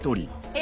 え